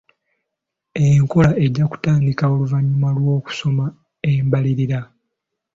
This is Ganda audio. Enkola ejja kutandika oluvannyuma lw'okusoma embalirira.